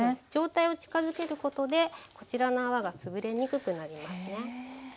状態を近づけることでこちらの泡がつぶれにくくなりますね。